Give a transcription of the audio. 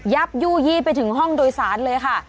ยู่ยี่ไปถึงห้องโดยสารเลยค่ะ